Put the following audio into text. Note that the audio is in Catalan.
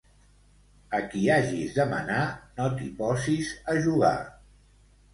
A qui hagis de manar no t'hi posis a jugar.